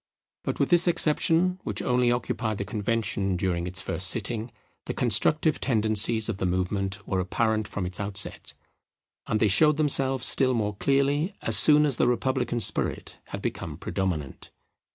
But with this exception, which only occupied the Convention during its first sitting, the constructive tendencies of the movement were apparent from its outset; and they showed themselves still more clearly as soon as the republican spirit had become predominant.